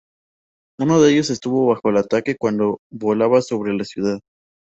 Uno de ellos estuvo bajo ataque cuando volaba sobre la ciudad.